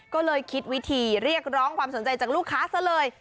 ก็เลยคิดวิธีเรียกร้องความสนใจจากลูกค้าซะเลย